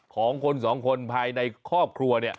ของคนสองคนภายในครอบครัว